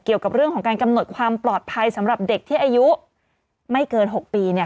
เกี่ยวกับเรื่องของการกำหนดความปลอดภัยสำหรับเด็กที่อายุไม่เกิน๖ปีเนี่ย